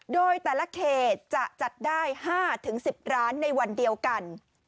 โดยแต่ละเขตจะจัดได้๕๑๐ร้านในวันเดียวกัน